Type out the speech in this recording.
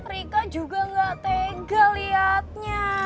rika juga nggak tega liatnya